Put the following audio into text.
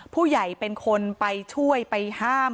ผู้ใหญ่เป็นคนไปช่วยไปห้าม